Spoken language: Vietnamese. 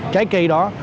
trái cây đó